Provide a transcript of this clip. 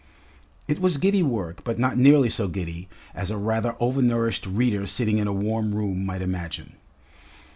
It was giddy work, but not nearly so giddy as a rather overnourished reader sitting in a warm room might imagine.